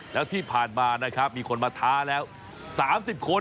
แล้วที่ผ่านมานะครับมีคนมาท้าแล้ว๓๐คน